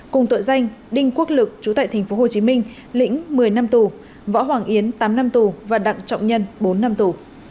cùng tội danh đinh quốc lực chú tại tp hcm lĩnh một mươi năm tù võ hoàng yến tám năm tù và đặng trọng nhân bốn năm tù